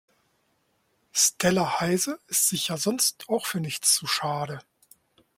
Stella Heise ist sich ja sonst auch für nichts zu schade.